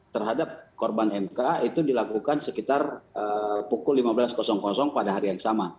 terhadap korban mk itu dilakukan sekitar pukul lima belas pada hari yang sama